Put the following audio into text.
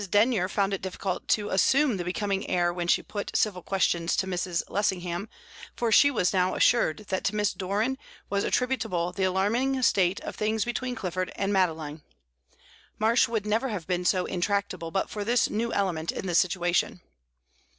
Denyer found it difficult to assume the becoming air when she put civil questions to Mrs. Lessingham, for she was now assured that to Miss Doran was attributable the alarming state of things between Clifford and Madeline; Marsh would never have been so intractable but for this new element in the situation.